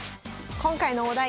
今回のお題